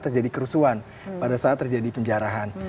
terjadi kerusuhan pada saat terjadi penjarahan